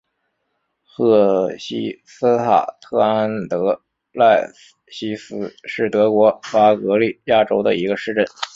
赫希斯塔特安德赖斯希是德国巴伐利亚州的一个市镇。